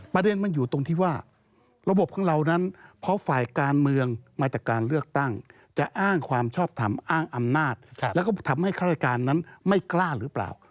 ประเด็นมันอยู่ตรงที่ว่าระบบของเรานั้นเพราะฝ่ายการเมืองมาจากการเลือกตั้งจะอ้างความชอบทำอ้างอำนาจแล้วก็ทำให้ข้าราชการนั้นไม่กล้าหรือเปล่า